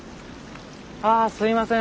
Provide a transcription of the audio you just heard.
あすいません